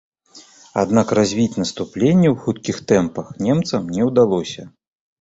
Аднак развіць наступленне ў хуткіх тэмпах немцам не ўдалося.